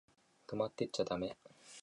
泊まってっちゃだめ？